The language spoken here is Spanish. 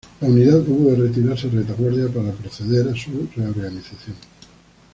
La unidad hubo de retirarse a retaguardia para proceder a su reorganización.